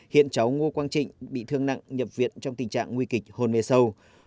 hiện cháu ngô quang trịnh bị thương nặng nhập viện trong tình trạng nguy kịch hôn mê sâu